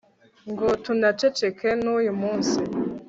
ngo tunaceceke n'uyu munsi